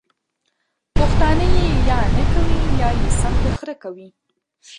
پښتانه ېې یا نکوي یا يې سم د خره کوي!